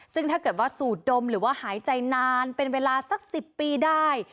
ซึ่งถ้าเกิดว่าสูดดมหรือว่าหายใจนานเป็นเวลาสัก๑๐ปีได้